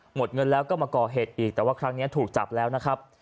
หมดเงินแล้วก็มาก่อเหตุอีกแต่ว่าครั้งนี้ถูกจับแล้วนะครับ